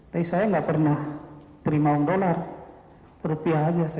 tapi saya nggak pernah terima uang dolar rupiah aja